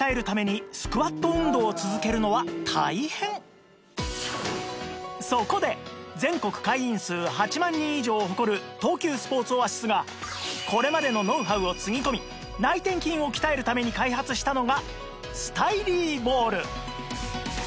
でもそこで全国会員数８万人以上を誇る東急スポーツオアシスがこれまでのノウハウをつぎ込み内転筋を鍛えるために開発したのがスタイリーボール